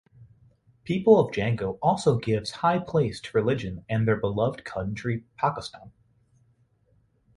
People of Jango also gives high place to religion and their beloved country Pakistan.